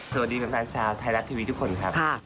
สวัสดีแฟนชาวไทยรัฐทีวีทุกคนครับ